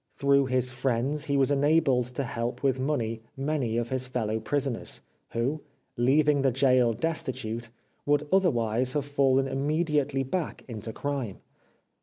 Through his friends he was enabled to help with money many of his fellow prisoners, who, leaving the gaol destitute, would otherwise have fallen immediately back into crime.